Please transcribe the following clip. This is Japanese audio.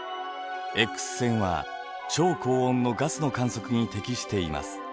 Ｘ線は超高温のガスの観測に適しています。